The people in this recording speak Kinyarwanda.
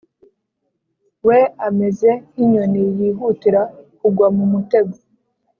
we ameze nk inyoni yihutira kugwa mu mutego